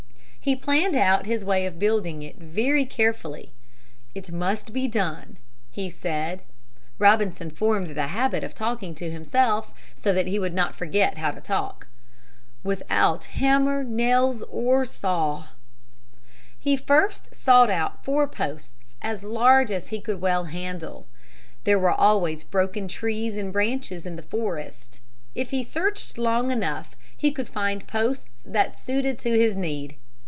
He planned out his way of building it very carefully. "It must be done," he said (Robinson formed the habit of talking to himself, so that he would not forget how to talk), "without hammer, nails, or saw." He first sought out four posts, as large as he could well handle. There were always broken trees and branches in the forest. If he searched long enough he could find posts just suited to his need.